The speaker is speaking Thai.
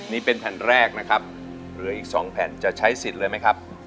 นี่เป็นแผ่นแรกนะครับเหลืออีก๒แผ่นจะใช้สิทธิ์เลยไหมครับ